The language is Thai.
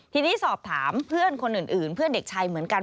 ทีนี้สอบถามเพื่อนคนอื่นเพื่อนเด็กชายเหมือนกัน